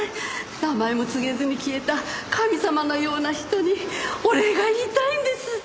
名前も告げずに消えた神様のような人にお礼が言いたいんです。